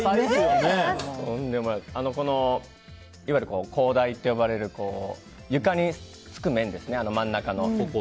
いわゆる、工台って呼ばれる床につく面ですね、真ん中の。